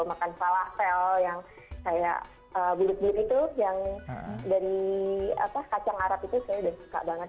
makan falafel yang kayak bulut bulut itu yang dari kacang arab itu saya udah suka banget